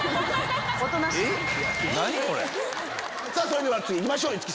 それでは次行きましょう。